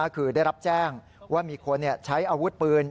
คือได้รับแจ้งว่ามีคนใช้อาวุธปืน